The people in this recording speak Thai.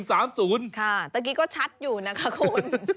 อ้าว๑๓๐ค่ะตะกี้ก็ชัดอยู่นะคะคุณ